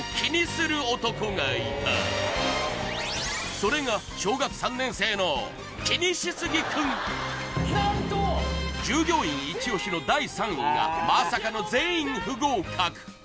それが従業員イチ押しの第３位がまさかの全員不合格